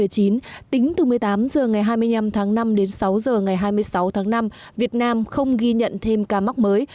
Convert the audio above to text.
tính từ một mươi tám h ngày hai mươi năm tháng năm đến sáu h ngày hai mươi sáu tháng năm việt nam không ghi nhận thêm ca mắc mới